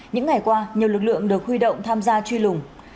những ngày qua nhiều lực lượng được huy động tham gia truy lùng